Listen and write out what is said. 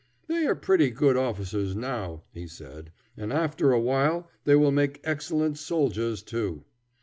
"They are pretty good officers now," he said, "and after a while they will make excellent soldiers too.